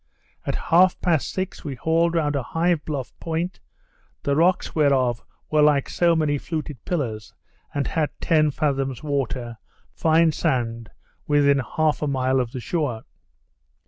At half past six we hauled round a high bluff point, the rocks whereof were like so many fluted pillars, and had ten fathoms water, fine sand, within half a mile of the shore.